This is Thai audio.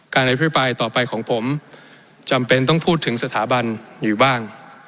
อภิปรายต่อไปของผมจำเป็นต้องพูดถึงสถาบันอยู่บ้าง